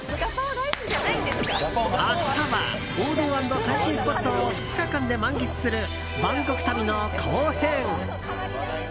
明日は、王道＆最新スポットを２日間で満喫するバンコク旅の後編！